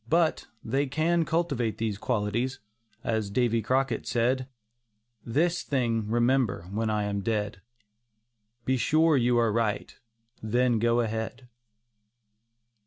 But, they can cultivate these qualities, as Davy Crockett said: "This thing remember, when I am dead, Be sure you are right, then go ahead."